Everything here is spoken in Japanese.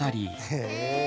へえ！